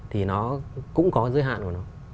thì nó cũng có giới hạn của nó